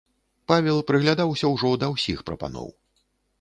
Павел прыглядаўся ўжо да ўсіх прапаноў.